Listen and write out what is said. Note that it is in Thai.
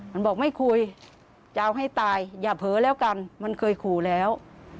มันบอกไม่คุยจะเอาให้ตายอย่าเผลอแล้วกันมันเคยขู่แล้ว